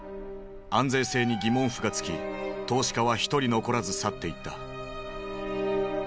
安全性に疑問符がつき投資家は一人残らず去っていった。